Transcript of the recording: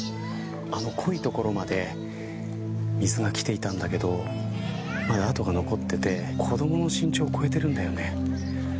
あの濃い所まで水がきていたんだけどまだ、跡が残っていて子どもの身長を超えているんだよね。